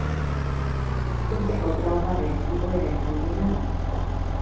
Urteko laugarren igoerarik handiena da.